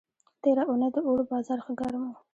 تېره اوونۍ د اوړو بازار ښه گرم و.